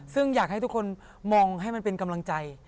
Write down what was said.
ซึ่งอยากให้ทุกคนมองให้มันเป็นกำลังใจ